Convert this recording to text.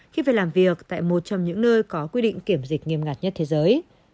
khi về làm việc tại một trong những nơi có quy định kiểm dịch nghiêm ngặt nhất thế giới